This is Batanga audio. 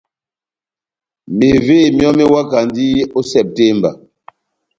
Mevé myɔ́ mewakandi ó Sepitemba.